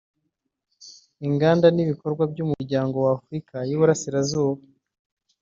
Inganda n’Ibikorwa by’Umuryango wa Afurika y’Iburasirazuba